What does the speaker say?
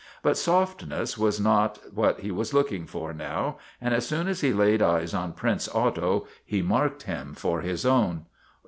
But softness was not what he was looking for now, and as soon as he laid eyes on Prince Otto he marked him for his own.